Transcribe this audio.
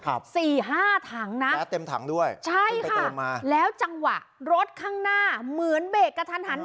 สี่ห้าถังนะเต็มถังด้วยใช่ค่ะแล้วจังหวะรถข้างหน้าเหมือนเบรกกระทันหัน